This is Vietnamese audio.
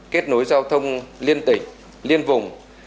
kết nối giao thông liên tỉnh liên vùng